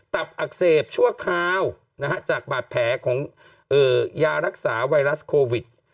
ับอักเสบชั่วคราวจากบาดแผลของยารักษาไวรัสโควิด